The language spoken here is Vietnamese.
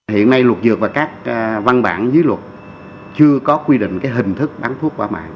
hiện nay luật dược và các văn bản dưới luật chưa có quy định hình thức bán thuốc qua mạng